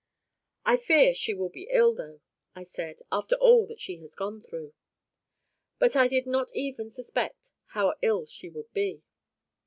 "I fear she will be ill, though," I said, "after all that she has gone through." But I did not even suspect how ill she would be.